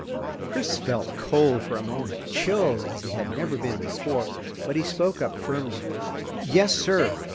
Chris felt cold for a moment, chilled as he had never been before, but he spoke up firmly. "Yes sir.